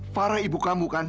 farah ibu kamu kan